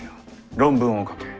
論文を書け。